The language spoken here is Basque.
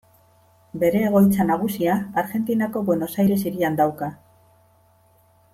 Bere egoitza nagusia Argentinako Buenos Aires hirian dauka.